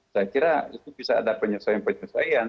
saya kira itu bisa ada penyesuaian penyesuaian